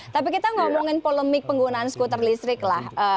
tapi kita ngomongin polemik penggunaan skuter listrik lah